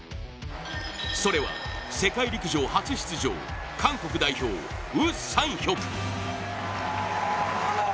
それは世界陸上初出場韓国代表、ウ・サンヒョク。